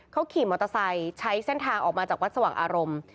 เขาขี่มอเตอร์ไซค์ใช้เส้นทางออกมาจากวัดสว่างอารมณ์